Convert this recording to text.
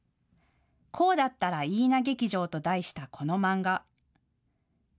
こうだったらいいな劇場と題したこの漫画。